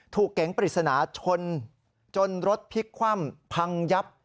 เก๋งปริศนาชนจนรถพลิกคว่ำพังยับ